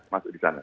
masuk di sana